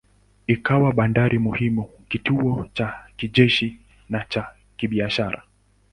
Ikawa bandari muhimu, kituo cha kijeshi na cha kibiashara.